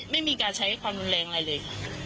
ไม่มีการใช้ความแรงอะไรเลย